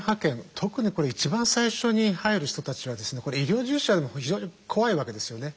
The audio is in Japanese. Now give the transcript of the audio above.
特にこれ一番最初に入る人たちは医療従事者でも非常に怖いわけですよね。